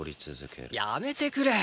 やめてくれ！